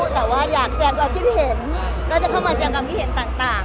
แต่ว่าอยากแซมกับคิดเห็นก็จะเข้ามาแซมกับคิดเห็นต่าง